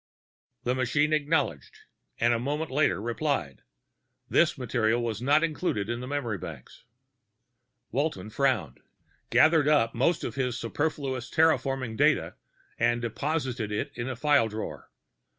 The machine acknowledged, and a moment later replied, This material is not included in memory banks. Walton frowned, gathered up most of his superfluous terraforming data, and deposited it in a file drawer.